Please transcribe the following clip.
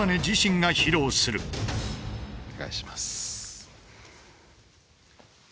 お願いします。